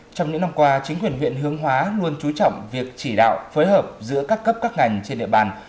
trong những năm qua chính quyền huyện hướng hóa luôn trú trọng việc chỉ đạo phối hợp giữa các cấp các ngành trên địa bàn